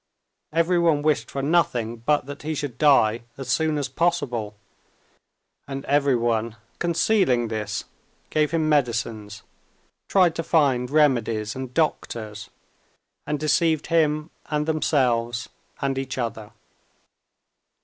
Everyone wished for nothing but that he should die as soon as possible, and everyone, concealing this, gave him medicines, tried to find remedies and doctors, and deceived him and themselves and each other.